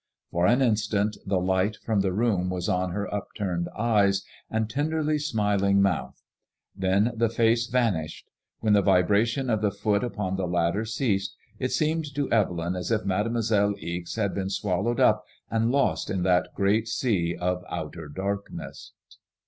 For an instant the light from the room was on her upturned eyes and tenderly smiling mouth ; then the face vanished. When the vibration of the foot upon the ladder ceased, it seemed to Evelyn as if Mademoiselle Ixe had been swallowed up and lost in that great sea of outer darkness.